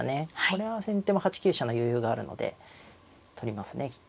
これは先手も８九飛車の余裕があるので取りますねきっと。